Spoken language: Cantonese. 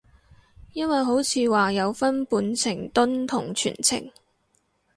因為好似話有分半程蹲同全程